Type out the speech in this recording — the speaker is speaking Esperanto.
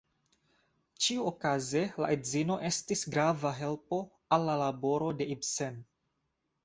Ĉiuokaze la edzino estis grava helpo al la laboro de Ibsen.